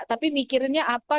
tapi mikirinnya apa